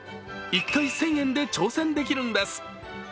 １回１０００円で挑戦できるんです。